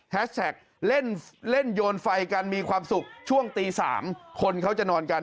แท็กเล่นโยนไฟกันมีความสุขช่วงตี๓คนเขาจะนอนกัน